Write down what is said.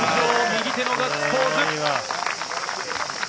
右手のガッツポーズ。